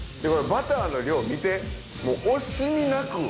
バターの量見てもう惜しみなく。